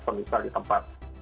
semisal di tempat